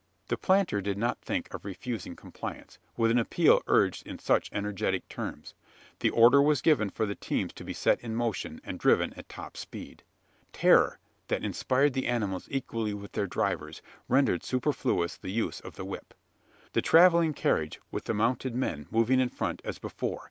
The planter did not think of refusing compliance, with an appeal urged in such energetic terms. The order was given for the teams to be set in motion, and driven at top speed. Terror, that inspired the animals equally with their drivers, rendered superfluous the use of the whip. The travelling carriage, with the mounted men, moved in front, as before.